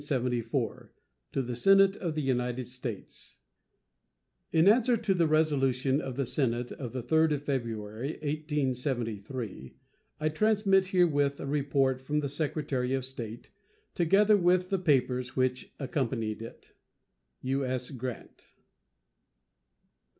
To the Senate of the United States: In answer to the resolution of the Senate of the 3d of February, 1873, I transmit herewith a report from the Secretary of State, together with the papers which accompanied it. U.S. GRANT.